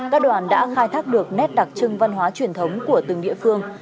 các đoàn đã khai thác được nét đặc trưng văn hóa truyền thống của từng địa phương